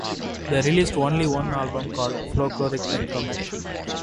They released only one album called "Folkloric Necro Metal".